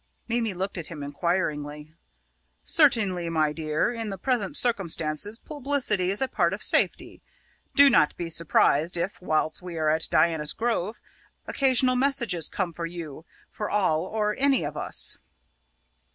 Mimi looked at him inquiringly. "Certainly, my dear, in the present circumstances publicity is a part of safety. Do not be surprised if, whilst we are at Diana's Grove, occasional messages come for you for all or any of us."